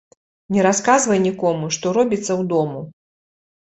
Не расказвай нiкому, што робiцца ўдому